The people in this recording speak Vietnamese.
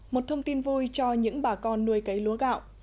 một thông tin vui cho những bà con nuôi cấy lúa gạo